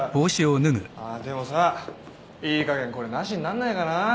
ああでもさいいかげんこれなしになんないかな？